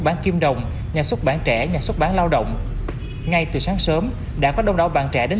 bán đồng nhà xuất bán trẻ nhà xuất bán lao động ngay từ sáng sớm đã có đông đảo bán trẻ đến